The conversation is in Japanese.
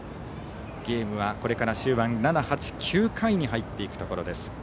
ゲームはこれから終盤７、８、９回に入っていくところです。